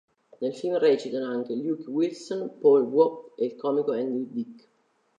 Nel film recitano anche Luke Wilson, Paul Vogt e il comico Andy Dick.